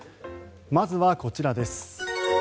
まずはこちらです。